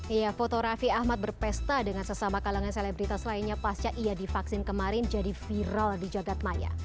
iya foto raffi ahmad berpesta dengan sesama kalangan selebritas lainnya pasca ia divaksin kemarin jadi viral di jagadmaya